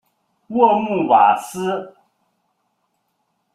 沃穆瓦斯。